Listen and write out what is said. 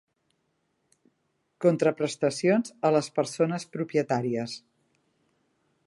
Contraprestacions a les persones propietàries.